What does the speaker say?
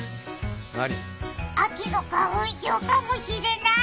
秋の花粉症かもしれない。